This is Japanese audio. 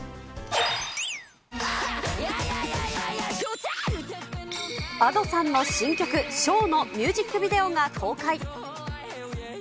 以上、Ａｄｏさんの新曲、唱のミュージックビデオが公開。